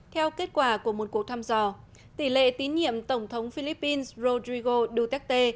theo kết quả của một cuộc thăm dò tỷ lệ tín nhiệm tổng thống philippines rodrigo duterte